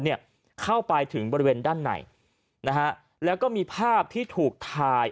เนี่ยเข้าไปถึงบริเวณด้านในนะฮะแล้วก็มีภาพที่ถูกถ่าย